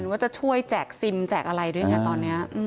ว่าจะช่วยแจกซิมแจกอะไรด้วยไงตอนนี้